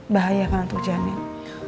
bahaya kan untuk janin